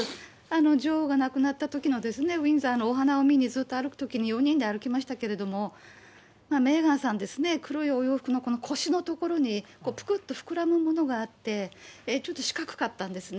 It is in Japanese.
女王が亡くなったときの、ウィンザーのお花を見にずっと歩くときに４人で歩きましたけれども、メーガンさんですね、黒いお洋服のこの腰のところに、ぷくっと膨らむものがあって、ちょっと四角かったんですね。